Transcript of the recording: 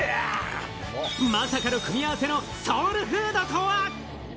まさかの組み合わせのソウルフードとは？